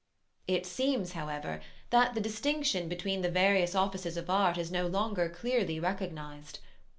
It seems, however, that the distinction between the various offices of art is no longer clearly recognized.